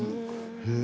へえ。